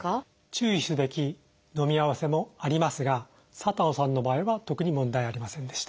注意すべきのみ合わせもありますが佐藤さんの場合は特に問題ありませんでした。